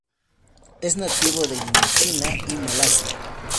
Es nativo de Indochina y Malasia.